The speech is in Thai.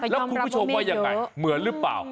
แล้วคุณผู้ชมว่ายังไงเหมือนหรือเปล่า